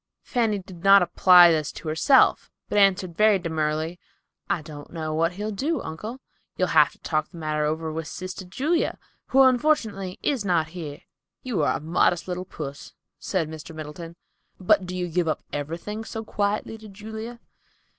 Fanny did not apply this to herself, but answered very demurely, "I don't know what he'll do, uncle. You'll have to talk the matter over with sister Julia, who unfortunately is not here." "You are a modest little puss," said Mr. Middleton. "But do you give up everything so quietly to Julia?"